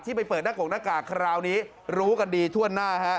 ไปเปิดหน้ากกหน้ากากคราวนี้รู้กันดีทั่วหน้าฮะ